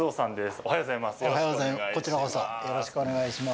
おはようございます。